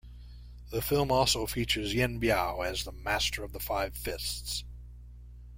The film also features Yuen Biao as the "Master of the Five Fists".